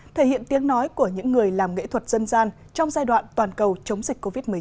thể hiện tiếng nói của những người làm nghệ thuật dân gian trong giai đoạn toàn cầu chống dịch covid một mươi chín